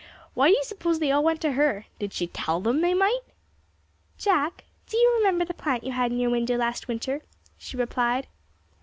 Why do you suppose they all went to her? Did she tell them they might?" "Jack, do you remember the plant you had in your window last winter?" she replied.